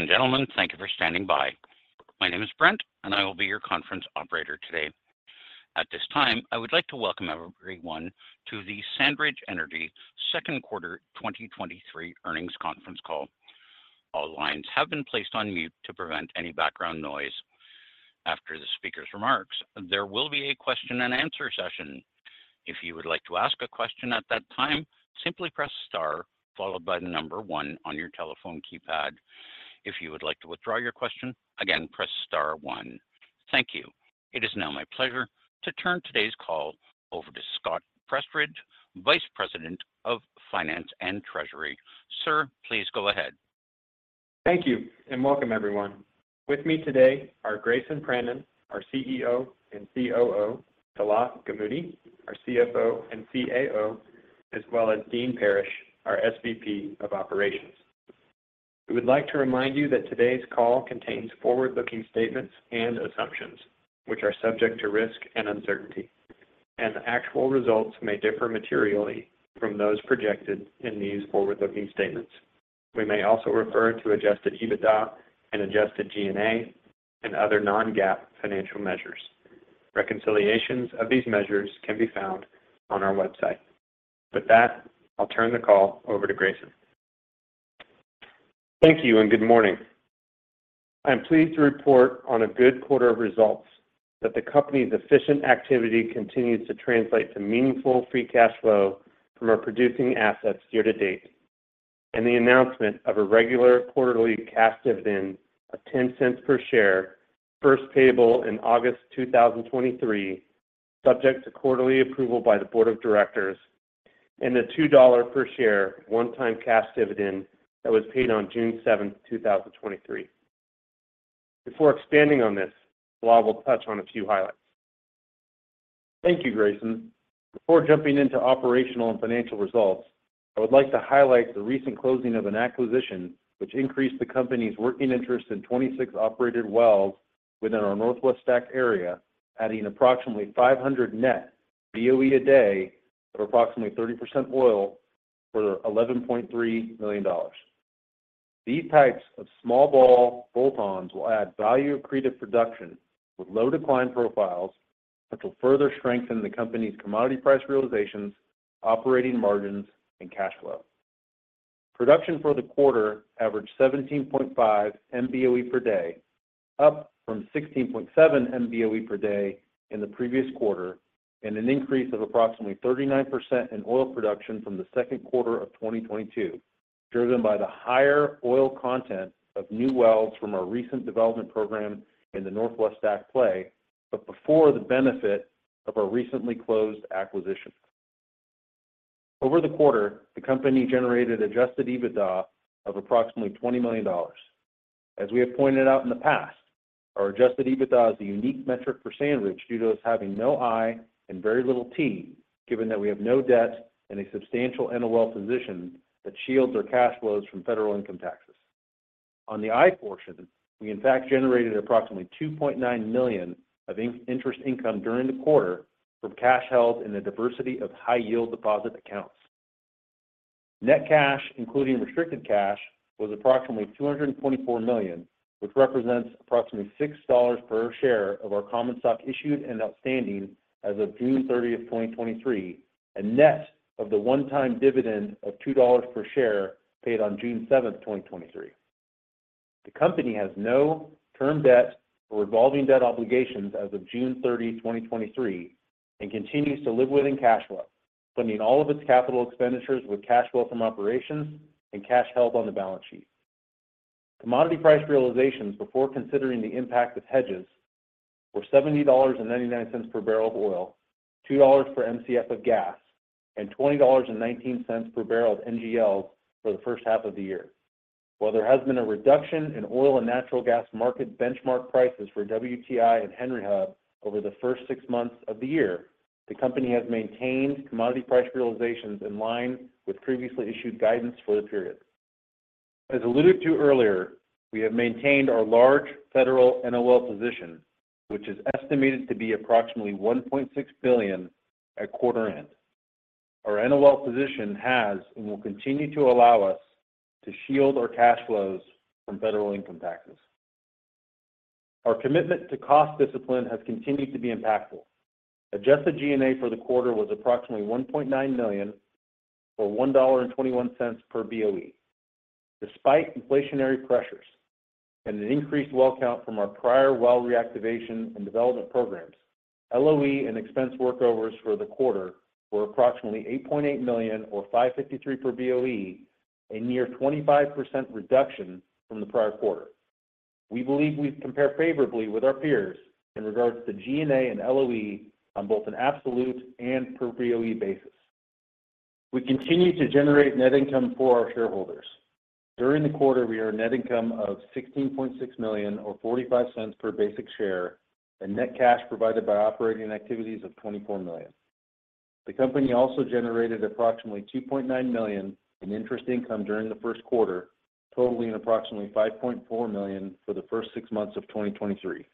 Ladies and gentlemen, thank you for standing by. My name is Brent, and I will be your conference operator today. At this time, I would like to welcome everyone to the SandRidge Energy second quarter 2023 earnings conference call. All lines have been placed on mute to prevent any background noise. After the speaker's remarks, there will be a question and answer session. If you would like to ask a question at that time, simply press star followed by the number one on your telephone keypad. If you would like to withdraw your question, again, press star one. Thank you. It is now my pleasure to turn today's call over to Scott Prestridge, Vice President of Finance and Treasury. Sir, please go ahead. Thank you, and welcome everyone. With me today are Grayson Pranin, our CEO and COO, Salah Gamoudi, our CFO and CAO, as well as Dean Parrish, our SVP of Operations. We would like to remind you that today's call contains forward-looking statements and assumptions, which are subject to risk and uncertainty, and the actual results may differ materially from those projected in these forward-looking statements. We may also refer to Adjusted EBITDA and Adjusted G&A and other non-GAAP financial measures. Reconciliations of these measures can be found on our website. With that, I'll turn the call over to Grayson. Thank you, and good morning. I'm pleased to report on a good quarter of results, that the company's efficient activity continues to translate to meaningful free cash flow from our producing assets year to date, and the announcement of a regular quarterly cash dividend of $0.10 per share, first payable in August 2023, subject to quarterly approval by the board of directors, and a $2 per share one-time cash dividend that was paid on June 7th, 2023. Before expanding on this, Salah will touch on a few highlights. Thank you, Grayson. Before jumping into operational and financial results, I would like to highlight the recent closing of an acquisition which increased the company's working interest in 26 operated wells within our Northwest STACK area, adding approximately 500 net BOE a day at approximately 30% oil for $11.3 million. These types of small ball bolt-ons will add value accretive production with low decline profiles that will further strengthen the company's commodity price realizations, operating margins, and cash flow. Production for the quarter averaged 17.5 MBOE per day, up from 16.7 MBOE per day in the previous quarter, an increase of approximately 39% in oil production from the 2Q 2022, driven by the higher oil content of new wells from our recent development program in the Northwest STACK play, before the benefit of our recently closed acquisition. Over the quarter, the company generated Adjusted EBITDA of approximately $20 million. As we have pointed out in the past, our Adjusted EBITDA is a unique metric for SandRidge due to us having no I and very little T, given that we have no debt and a substantial NOL position that shields our cash flows from federal income taxes. On the I portion, we in fact generated approximately $2.9 million of interest income during the quarter from cash held in a diversity of high-yield deposit accounts. Net cash, including restricted cash, was approximately $224 million, which represents approximately $6 per share of our common stock issued and outstanding as of June 30, 2023, and net of the one-time dividend of $2 per share paid on June 7, 2023. The company has no term debt or revolving debt obligations as of June 30, 2023, and continues to live within cash flow, funding all of its capital expenditures with cash flow from operations and cash held on the balance sheet. Commodity price realizations before considering the impact of hedges were $70.99 per bbl of oil, $2 per Mcf of gas, and $20.19 per bbl of NGLs for the first half of the year. While there has been a reduction in oil and natural gas market benchmark prices for WTI and Henry Hub over the first six months of the year, the company has maintained commodity price realizations in line with previously issued guidance for the period. As alluded to earlier, we have maintained our large federal NOL position, which is estimated to be approximately $1.6 billion at quarter end. Our NOL position has and will continue to allow us to shield our cash flows from federal income taxes. Our commitment to cost discipline has continued to be impactful. Adjusted G&A for the quarter was approximately $1.9 million, or $1.21 per BOE. Despite inflationary pressures and an increased well count from our prior well reactivation and development programs, LOE and expense workovers for the quarter were approximately $8.8 million or $5.53 per BOE, a near 25% reduction from the prior quarter. We believe we compare favorably with our peers in regards to G&A and LOE on both an absolute and per BOE basis. During the quarter, we had a net income of $16.6 million or $0.45 per basic share, net cash provided by operating activities of $24 million. The company also generated approximately $2.9 million in interest income during the first quarter, totaling approximately $5.4 million for the first six months of 2023.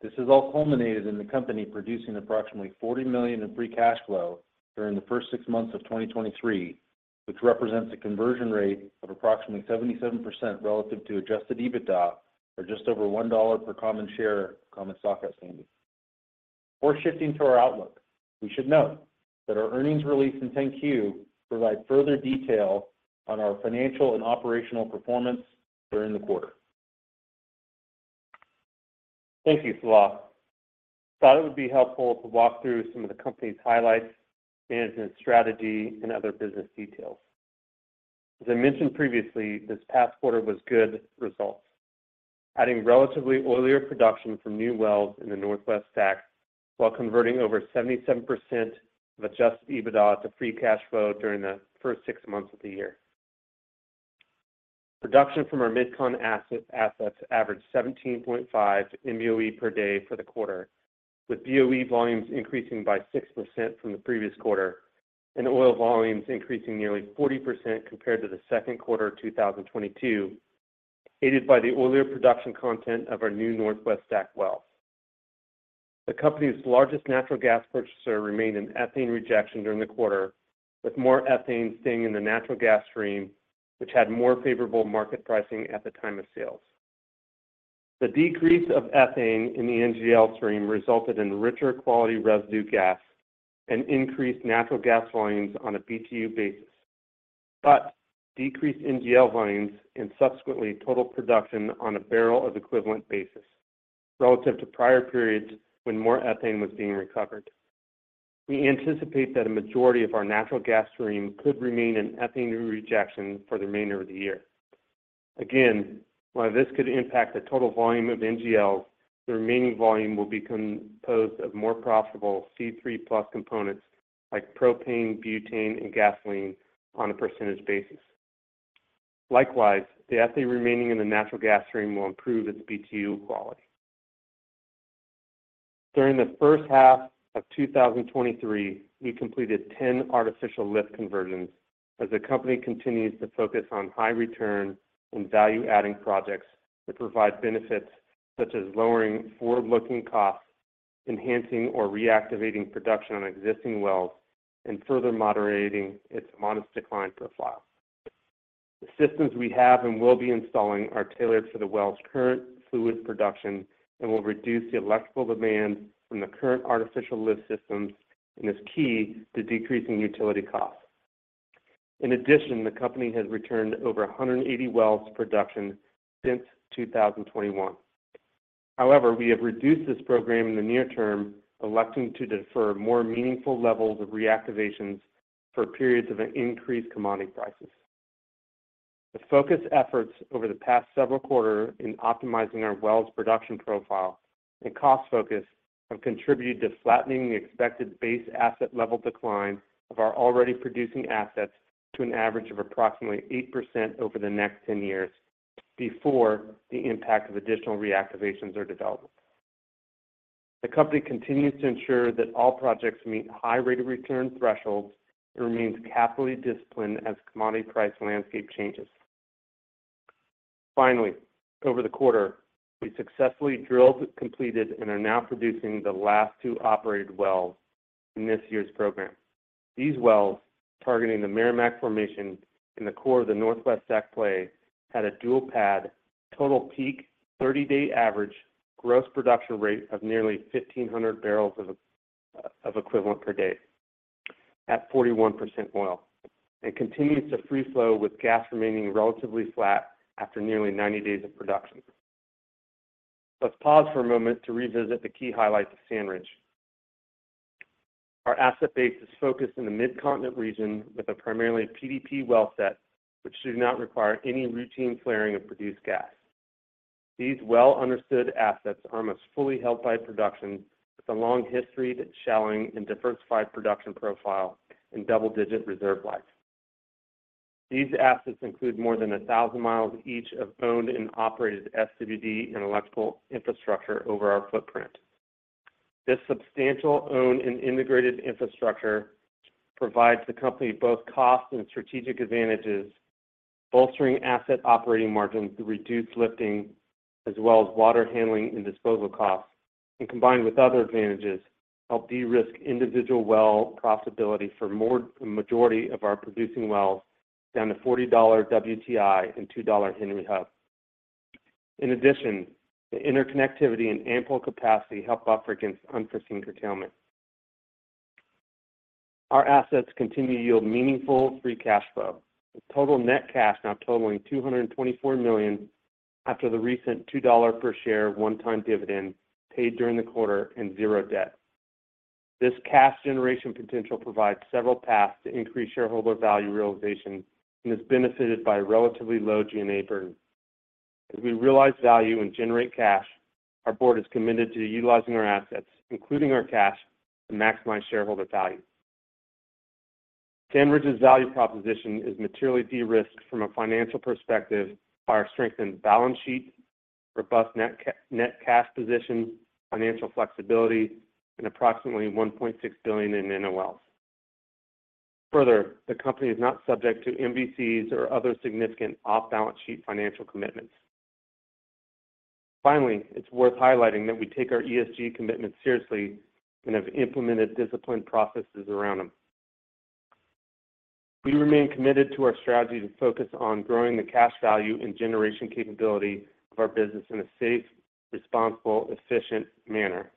This has all culminated in the company producing approximately $40 million in free cash flow during the first six months of 2023, which represents a conversion rate of approximately 77% relative to Adjusted EBITDA, or just over $1 per common share, common stock outstanding. We're shifting to our outlook. We should note that our earnings release and 10-Q provide further detail on our financial and operational performance during the quarter. Thank you, Salah. I thought it would be helpful to walk through some of the company's highlights, management strategy, and other business details. As I mentioned previously, this past quarter was good results, adding relatively oilier production from new wells in the Northwest STACK, while converting over 77% of Adjusted EBITDA to free cash flow during the first six months of the year. Production from our MidCon assets averaged 17.5 MBOE per day for the quarter, with BOE volumes increasing by 6% from the previous quarter, and oil volumes increasing nearly 40% compared to the second quarter of 2022, aided by the oilier production content of our new Northwest STACK well. The company's largest natural gas purchaser remained in ethane rejection during the quarter, with more ethane staying in the natural gas stream, which had more favorable market pricing at the time of sales. The decrease of ethane in the NGL stream resulted in richer quality residue gas and increased natural gas volumes on a BTU basis, but decreased NGL volumes and subsequently total production on a barrel of equivalent basis relative to prior periods when more ethane was being recovered. We anticipate that a majority of our natural gas stream could remain in ethane rejection for the remainder of the year. Again, while this could impact the total volume of NGL, the remaining volume will be composed of more profitable C3+ components like propane, butane, and gasoline on a percentage basis. Likewise, the ethane remaining in the natural gas stream will improve its BTU quality. During the first half of 2023, we completed 10 artificial lift conversions as the company continues to focus on high return and value-adding projects that provide benefits such as lowering forward-looking costs, enhancing or reactivating production on existing wells, and further moderating its modest decline profile. The systems we have and will be installing are tailored for the well's current fluid production and will reduce the electrical demand from the current artificial lift systems, and is key to decreasing utility costs. In addition, the company has returned over 180 wells to production since 2021. However, we have reduced this program in the near term, electing to defer more meaningful levels of reactivations for periods of increased commodity prices. The focused efforts over the past several quarter in optimizing our wells production profile and cost focus have contributed to flattening the expected base asset level decline of our already producing assets to an average of approximately 8% over the next 10 years before the impact of additional reactivations or developments. The company continues to ensure that all projects meet high rate of return thresholds and remains capitally disciplined as commodity price landscape changes. Finally, over the quarter, we successfully drilled, completed, and are now producing the last two operated wells in this year's program. These wells, targeting the Meramec Formation in the core of the Northwest STACK play, had a dual pad, total peak, 30-day average, gross production rate of nearly 1,500 bbl of equivalent per day at 41% oil, and continues to free flow, with gas remaining relatively flat after nearly 90 days of production. Let's pause for a moment to revisit the key highlights of SandRidge. Our asset base is focused in the Mid-Continent region with a primarily PDP well set, which should not require any routine flaring of produced gas. These well-understood assets are almost fully held by production, with a long history of shallowing and diversified production profile and double-digit reserve life. These assets include more than 1,000 miles each of owned and operated SWD and electrical infrastructure over our footprint. This substantial owned and integrated infrastructure provides the company both cost and strategic advantages, bolstering asset operating margins through reduced lifting, as well as water handling and disposal costs, combined with other advantages, help de-risk individual well profitability for a majority of our producing wells down to $40 WTI and $2 Henry Hub. In addition, the interconnectivity and ample capacity help buffer against unforeseen curtailment. Our assets continue to yield meaningful free cash flow, with total net cash now totaling $224 million after the recent $2 per share one-time dividend paid during the quarter and 0 debt. This cash generation potential provides several paths to increase shareholder value realization and is benefited by relatively low G&A burden. As we realize value and generate cash, our board is committed to utilizing our assets, including our cash, to maximize shareholder value. SandRidge's value proposition is materially de-risked from a financial perspective by our strengthened balance sheet, robust net cash position, financial flexibility, and approximately $1.6 billion in NOLs. The company is not subject to MVCs or other significant off-balance sheet financial commitments. It's worth highlighting that we take our ESG commitment seriously and have implemented disciplined processes around them. We remain committed to our strategy to focus on growing the cash value and generation capability of our business in a safe, responsible, efficient manner,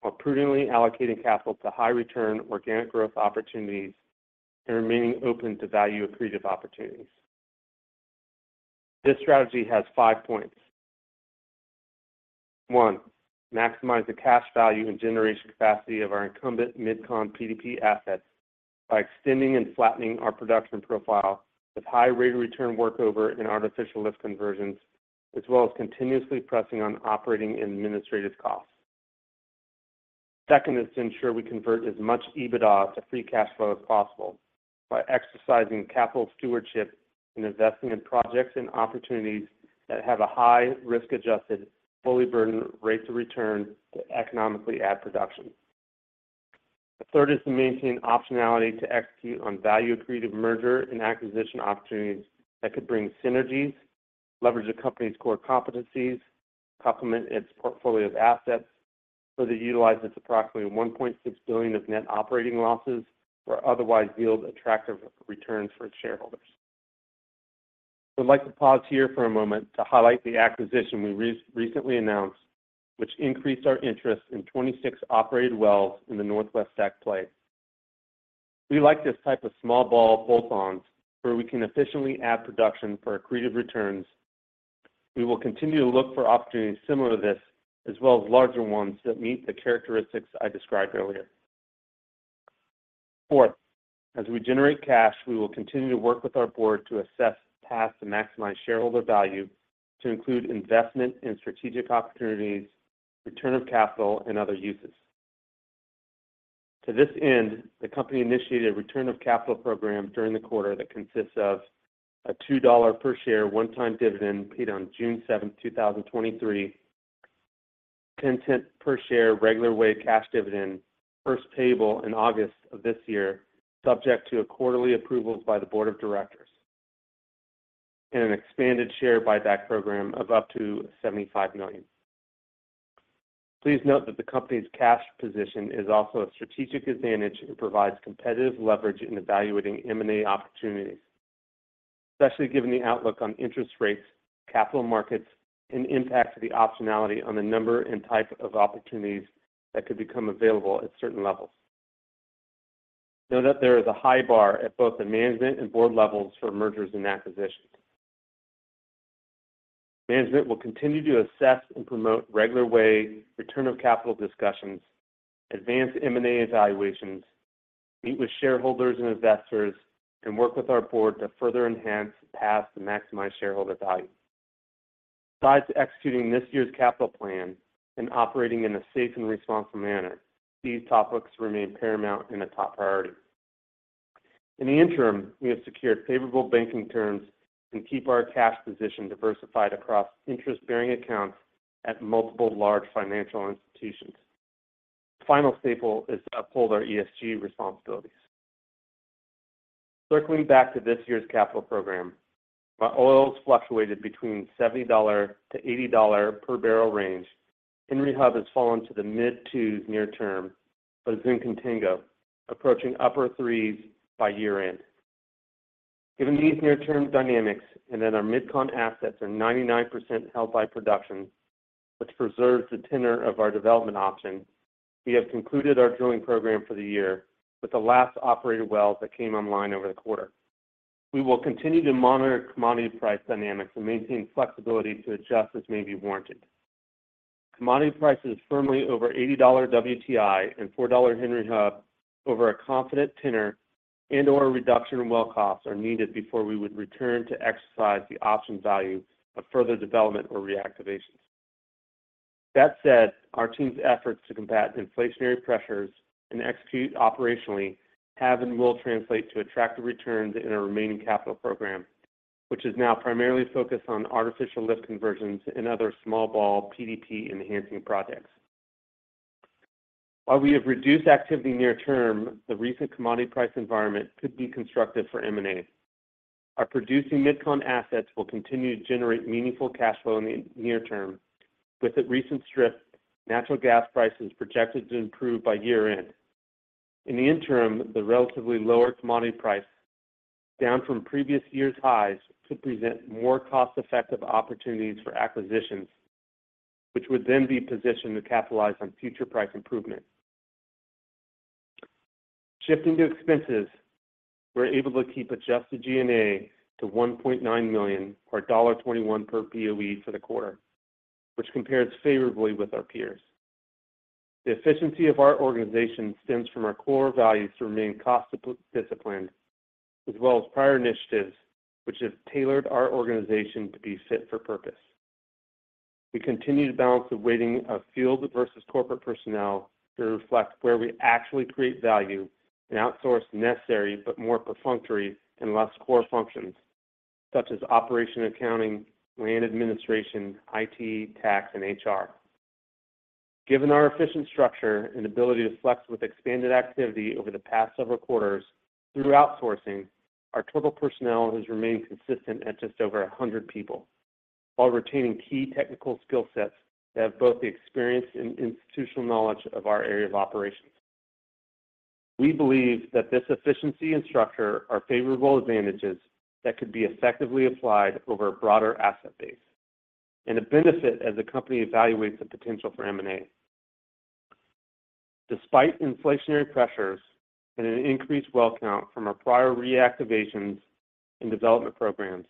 while prudently allocating capital to high return organic growth opportunities and remaining open to value accretive opportunities. This strategy has five points. One, maximize the cash value and generation capacity of our incumbent MidCon PDP assets by extending and flattening our production profile with high rate of return workover and artificial lift conversions, as well as continuously pressing on operating and administrative costs. Second is to ensure we convert as much EBITDA to free cash flow as possible by exercising capital stewardship and investing in projects and opportunities that have a high risk-adjusted, fully burdened rates of return to economically add production. The third is to maintain optionality to execute on value accretive merger and acquisition opportunities that could bring synergies, leverage the company's core competencies, complement its portfolio of assets, further utilize its approximately $1.6 billion of net operating losses, or otherwise yield attractive returns for its shareholders. I'd like to pause here for a moment to highlight the acquisition we recently announced, which increased our interest in 26 operated wells in the Northwest STACK play. We like this type of small ball bolt-ons, where we can efficiently add production for accretive returns. We will continue to look for opportunities similar to this, as well as larger ones that meet the characteristics I described earlier. Fourth, as we generate cash, we will continue to work with our board to assess paths to maximize shareholder value, to include investment in strategic opportunities, return of capital, and other uses. To this end, the company initiated a return of capital program during the quarter that consists of a $2 per share one-time dividend paid on June 7, 2023, $0.10 per share regular way cash dividend, first payable in August of this year, subject to a quarterly approval by the board of directors, and an expanded share buyback program of up to $75 million. Please note that the company's cash position is also a strategic advantage and provides competitive leverage in evaluating M&A opportunities, especially given the outlook on interest rates, capital markets, and impacts of the optionality on the number and type of opportunities that could become available at certain levels. Note that there is a high bar at both the management and board levels for mergers and acquisitions. Management will continue to assess and promote regular way return of capital discussions, advance M&A evaluations, meet with shareholders and investors, and work with our board to further enhance paths to maximize shareholder value. Besides executing this year's capital plan and operating in a safe and responsible manner, these topics remain paramount and a top priority. In the interim, we have secured favorable banking terms and keep our cash position diversified across interest-bearing accounts at multiple large financial institutions. The final staple is to uphold our ESG responsibilities. Circling back to this year's capital program, while oil has fluctuated between $70-$80 per bbl range, Henry Hub has fallen to the mid-2s near term, but is in contango, approaching upper 3s by year-end. Given these near-term dynamics, and that our MidCon assets are 99% held by production, which preserves the tenor of our development options, we have concluded our drilling program for the year with the last operated wells that came online over the quarter. We will continue to monitor commodity price dynamics and maintain flexibility to adjust as may be warranted. Commodity prices firmly over $80 WTI and $4 Henry Hub over a confident tenor and/or a reduction in well costs are needed before we would return to exercise the option value of further development or reactivation. That said, our team's efforts to combat inflationary pressures and execute operationally have and will translate to attractive returns in our remaining capital program, which is now primarily focused on artificial lift conversions and other small ball PDP-enhancing projects. While we have reduced activity near term, the recent commodity price environment could be constructive for M&A. Our producing MidCon assets will continue to generate meaningful cash flow in the near term. With the recent strip, natural gas prices projected to improve by year-end. In the interim, the relatively lower commodity price, down from previous years' highs, could present more cost-effective opportunities for acquisitions, which would then be positioned to capitalize on future price improvements. Shifting to expenses, we're able to keep Adjusted G&A to $1.9 million or $1.21 per BOE for the quarter, which compares favorably with our peers. The efficiency of our organization stems from our core values to remain cost disciplined, as well as prior initiatives, which have tailored our organization to be fit for purpose. We continue to balance the weighting of field versus corporate personnel to reflect where we actually create value and outsource necessary, but more perfunctory and less core functions such as Operation, Accounting, Land Administration, IT, tax, and HR. Given our efficient structure and ability to flex with expanded activity over the past several quarters through outsourcing, our total personnel has remained consistent at just over 100 people, while retaining key technical skill sets that have both the experience and institutional knowledge of our area of operations. We believe that this efficiency and structure are favorable advantages that could be effectively applied over a broader asset base and a benefit as the company evaluates the potential for M&A. Despite inflationary pressures and an increased well count from our prior reactivations and development programs,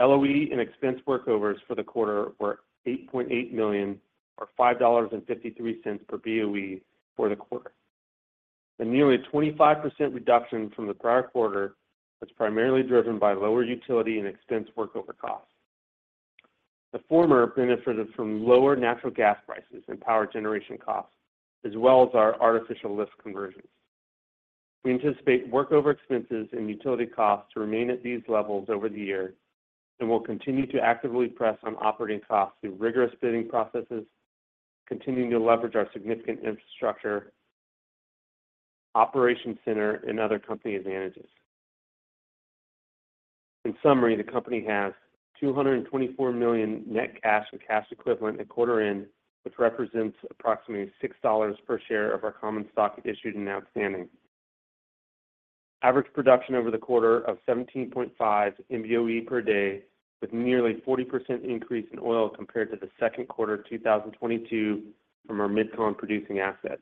LOE and expense workovers for the quarter were $8.8 million, or $5.53 per BOE for the quarter. A nearly 25% reduction from the prior quarter was primarily driven by lower utility and expense workover costs. The former benefited from lower natural gas prices and power generation costs, as well as our artificial lift conversions. We anticipate workover expenses and utility costs to remain at these levels over the year, and we'll continue to actively press on operating costs through rigorous bidding processes, continuing to leverage our significant infrastructure, operations center, and other company advantages. In summary, the company has $224 million net cash and cash equivalent at quarter end, which represents approximately $6 per share of our common stock issued and outstanding. Average production over the quarter of 17.5 MBOE per day, with nearly 40% increase in oil compared to the second quarter of 2022 from our MidCon producing assets.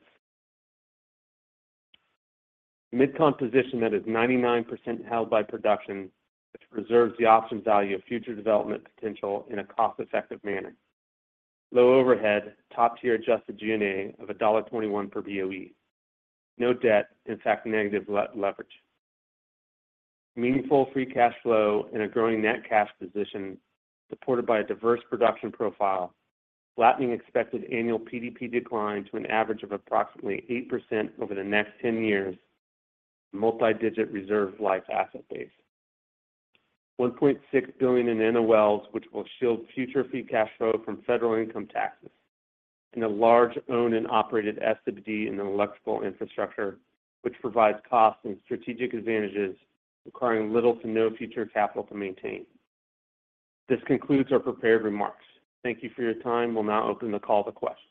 MidCon position that is 99% held by production, which preserves the option value of future development potential in a cost-effective manner. Low overhead, top-tier Adjusted G&A of $1.21 per BOE. No debt, in fact, negative leverage. Meaningful free cash flow and a growing net cash position, supported by a diverse production profile. Flattening expected annual PDP decline to an average of approximately 8% over the next 10 years. Multi-digit reserve life asset base. $1.6 billion in NOLs, which will shield future free cash flow from federal income taxes, and a large owned and operated SWD in the electrical infrastructure, which provides cost and strategic advantages, requiring little to no future capital to maintain. This concludes our prepared remarks. Thank you for your time. We'll now open the call to questions.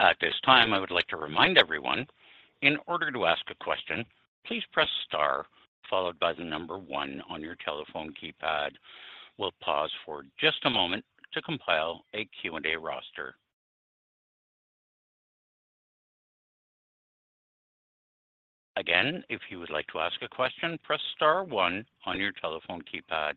At this time, I would like to remind everyone, in order to ask a question, please press star followed by one on your telephone keypad. We'll pause for just a moment to compile a Q&A roster. Again, if you would like to ask a question, press star one on your telephone keypad.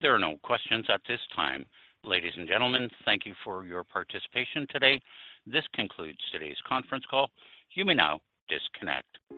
There are no questions at this time. Ladies and gentlemen, thank you for your participation today. This concludes today's conference call. You may now disconnect.